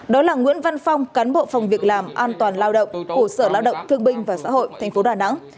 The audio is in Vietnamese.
đó là nguyễn văn phong cán bộ phòng việc làm an toàn lao động của sở lao động thương bình và xã hội thành phố đà nẵng